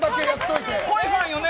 濃いファンよね。